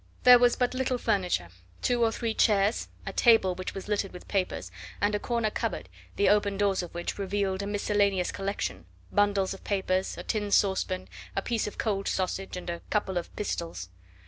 There was but little furniture: two or three chairs, a table which was littered with papers, and a corner cupboard the open doors of which revealed a miscellaneous collection bundles of papers, a tin saucepan, a piece of cold sausage, and a couple of pistols.